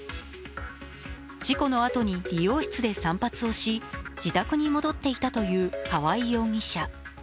事故のあとに理容室で散髪をし、自宅に戻っていたという川合容疑者。